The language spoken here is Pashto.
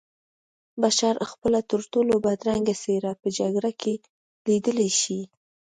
بشر خپله ترټولو بدرنګه څېره په جګړه کې لیدلی شي